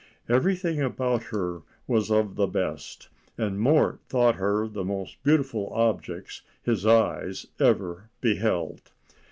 Everything about her was of the best, and Mort thought her the most beautiful object his eyes ever beheld.